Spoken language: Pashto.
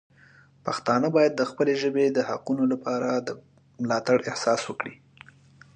پښتانه باید د خپلې ژبې د حقونو لپاره د ملاتړ احساس وکړي.